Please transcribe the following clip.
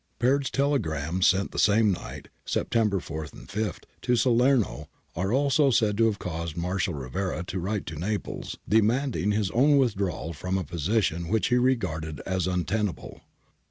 Peard's telegrams sent the same night (September 4 5) to Salerno are also said :o have caused Marshal Rivera to wire to Naples demanding his own withdrawal from a position which he regarded as untenable.